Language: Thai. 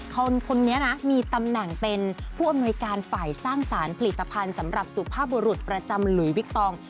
คนนี้นะมีตำแหน่งเป็นผู้อำนวยการฝ่ายสร้างสารผลิตภัณฑ์สำหรับสุภาพบุรุษประจำหลุยวิกตอง